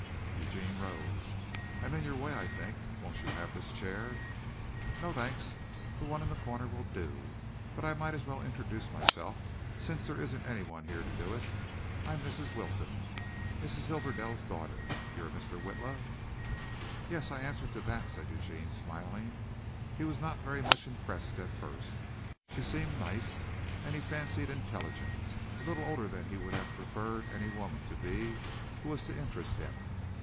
Eugene rose. "I'm in your way, I think. Won't you have this chair?" "No, thanks. The one in the corner will do. But I might as well introduce myself, since there isn't anyone here to do it. I'm Mrs. Wilson, Mrs. Hibberdell's daughter. You're Mr. Witla?" "Yes, I answer to that," said Eugene, smiling. He was not very much impressed at first. She seemed nice and he fancied intelligent a little older than he would have preferred any woman to be who was to interest him.